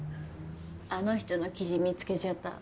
あの人の記事見つけちゃった。